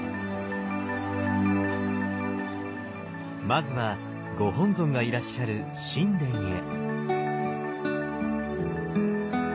まずはご本尊がいらっしゃる宸殿へ。